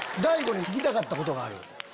大悟に聞きたかったことがある？